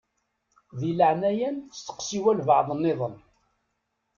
Di leɛnaya-m steqsi walebɛaḍ-nniḍen.